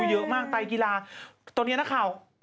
เยอะมากไตรกีฬาตอนนี้นะครับ